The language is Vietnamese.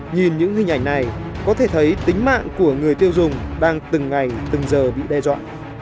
nhìn những hình ảnh này có thể thấy tính mạng của người tiêu dùng đang từng ngày từng giờ bị đe dọa